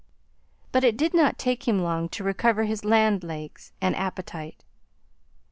But it did not take him long to recover his land legs and appetite.